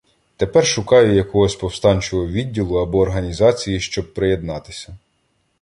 Тепер шукаю якогось повстанчого відділу або організації, щоб приєднатися.